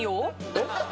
えっ？